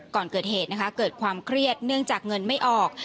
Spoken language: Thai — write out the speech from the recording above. ก่อนเกิดเหตุนะคะเกิดความเครียดเนื่องจากเงินไม่ออก